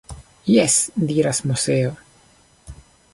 Jes! diras Moseo.